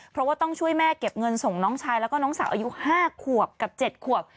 เพราะว่าต้องช่วยแม่เก็บเงินส่งน้องชายแล้วก็น้องสาวอายุ๕ขวบกับ๗ขวบ